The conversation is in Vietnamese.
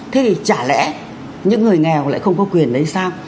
thế thì chả lẽ những người nghèo lại không có quyền đấy sao